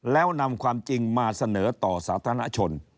แล้วนำความจริงมาเสนอต่อสาธารณชน